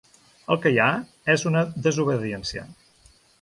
El que hi ha és una desobediència.